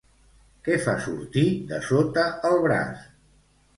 Què fa sortir de sota el braç?